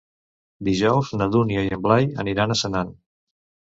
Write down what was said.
Dijous na Dúnia i en Blai aniran a Senan.